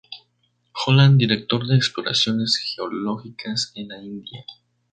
Holland, director de exploraciones geológicas en la India.